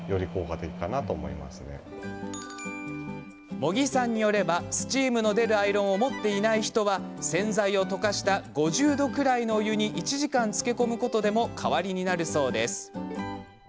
茂木さんによればスチームの出るアイロンを持っていない人は洗剤を溶かした５０度くらいのお湯に１時間つけ込むことでも代わりになるそうです。